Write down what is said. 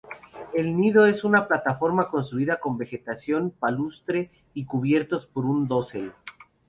El nido es una plataforma construida con vegetación palustre y cubiertos por un dosel.